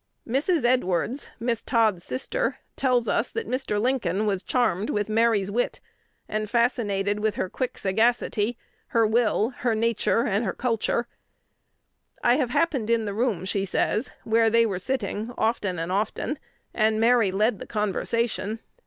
Mrs. Edwards, Miss Todd's sister, tells us that Mr. Lincoln "was charmed with Mary's wit and fascinated with her quick sagacity, her will, her nature and culture." "I have happened in the room," she says, "where they were sitting often and often, and Mary led the conversation.